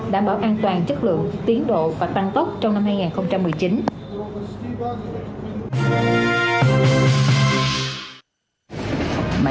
đảm bảo an toàn chất lượng tiến độ và tăng tốc trong năm hai nghìn một mươi chín